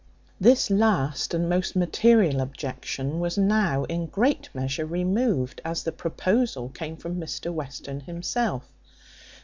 This last and most material objection was now in great measure removed, as the proposal came from Mr Western himself.